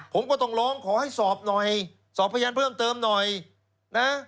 ผมก็ต้องร้องขอให้สอบหน่อยสอบพยานเพิ่มเติมหน่อยนะ